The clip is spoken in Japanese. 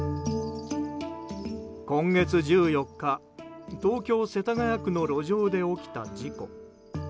今月１４日、東京・世田谷区の路上で起きた事故。